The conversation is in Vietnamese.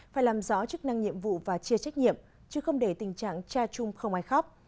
phải làm rõ chức năng nhiệm vụ và chia trách nhiệm chứ không để tình trạng cha chung không ai khóc